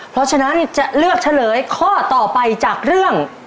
เพราะฉะนั้นจะเลือกเฉลยข้อต่อไปจากเรื่อง